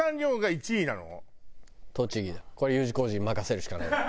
これＵ字工事に任せるしかないわ。